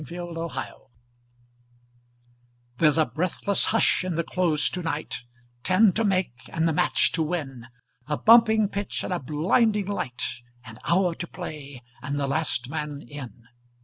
Vitaï Lampada There's a breathless hush in the Close to night Ten to make and the match to win A bumping pitch and a blinding light, An hour to play and the last man in.